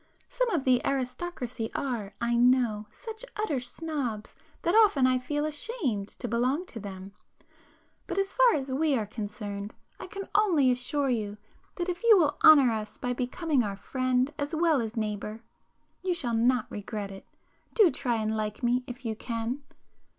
Some of the aristocracy are, I know, such utter snobs that often I feel ashamed to belong to them. But as far as we are concerned, I can only assure you that if you will honour us by becoming our friend as well as [p 318] neighbour, you shall not regret it. Do try and like me if you can!"